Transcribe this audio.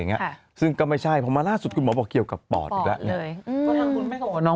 เนี้ยซึ่งก็ไม่ใช่ผมมาล่าสุดคุณบอกเกี่ยวกับปอดแล้วน้อง